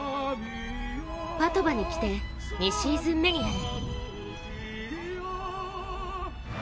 パドヴァに来て２シーズン目になる。